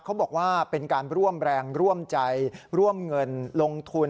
เขาบอกว่าเป็นการร่วมแรงร่วมใจร่วมเงินลงทุน